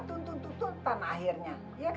tuntun tuntun tanah akhirnya